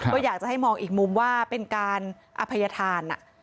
ก็อยากจะให้มองอีกมุมว่าเป็นการอภัยธาน